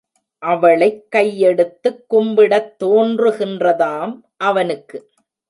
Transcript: அவளைக் கையெடுத்துக் கும்பிடத் தோன்றுகின்றதாம் அவனுக்கு!